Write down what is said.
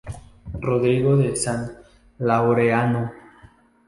Rodrigo de San Laureano.